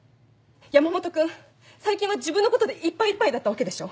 山本君最近は自分のことでいっぱいいっぱいだったわけでしょ？